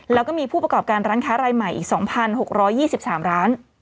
แล้วก็มีผู้ประกอบการร้านค้ารายใหม่อีก๒๖๒๓ร้าน